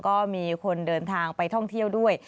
ก็มีคนเดินทางไปท่องเที่ยวด้วย